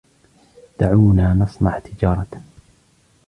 دعونا نصنع تجارة.